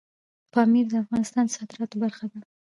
پامیر د افغانستان د صادراتو برخه ده.